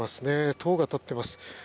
塔が立っています。